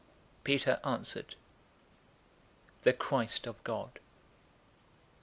Peter answered, "The Christ of God."